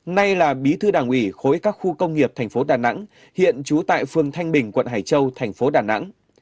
nay là bí thư đảng ủy khối các khu công nghiệp tp đà nẵng hiện trú tại phường thanh bình quận hải châu tp đà nẵng